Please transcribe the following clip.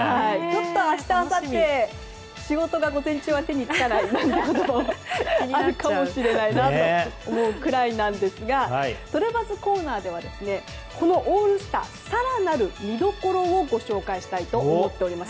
明日あさって、仕事が午前中は手につかないこともあるかもしれないと思うくらいですがトレバズコーナーではこのオールスター更なる見どころをご紹介したいと思っています。